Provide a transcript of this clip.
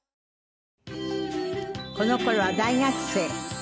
この頃は大学生。